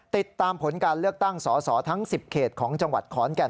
ติดตามผลการเลือกตั้งสอสอทั้ง๑๐เขตของจังหวัดขอนแก่น